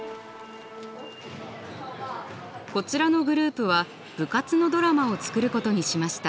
こちらのグループは部活のドラマを作ることにしました。